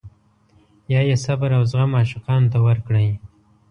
یا یې صبر او زغم عاشقانو ته ورکړی.